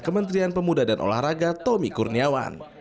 kementerian pemuda dan olahraga tommy kurniawan